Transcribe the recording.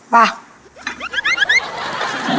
ไป